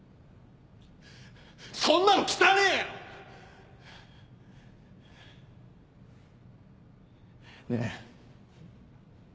そんなの汚ねぇよ！ねぇ。